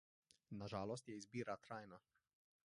Na žalost je izbira trajna.